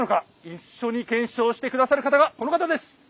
一緒に検証して下さる方がこの方です。